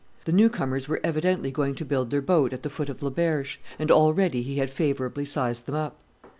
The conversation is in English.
The new comers were evidently going to build their boat at the foot of Le Berge; and already he had favourably sized them up.